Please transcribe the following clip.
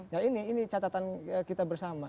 nah ini catatan kita bersama